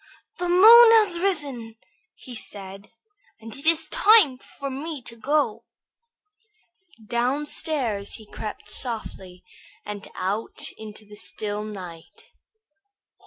"The moon has risen," said he, "and it is time for me to go." Downstairs he crept softly and out into the still night.